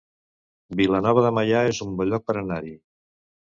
Vilanova de Meià es un bon lloc per anar-hi